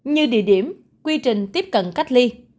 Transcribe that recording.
như địa điểm quy trình tiếp cận cách ly